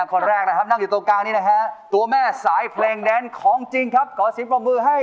คนแรกนะครับนั่งอยู่ตรงกลางนี้นะฮะตัวแม่สายเพลงแดนของจริงครับขอเสียงปรบมือให้